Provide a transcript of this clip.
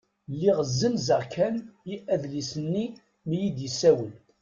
Lliɣ zzenzeɣ yakan adlis-nni mi yi-d-yessawel.